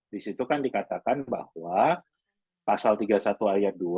di situ kan dikatakan bahwa pasal tiga puluh satu ayat dua